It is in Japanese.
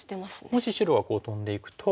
もし白がトンでいくと。